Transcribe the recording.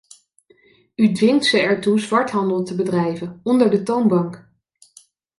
U dwingt ze ertoe zwarthandel te bedrijven, onder de toonbank.